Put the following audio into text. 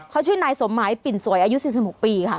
เขาชื่อนายสมหมายปิ่นสวยอายุ๔๖ปีค่ะ